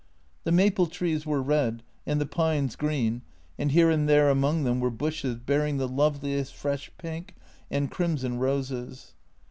The maple trees were red and the pines green and here and there among them were bushes bearing the loveliest fresh pink and crimson roses.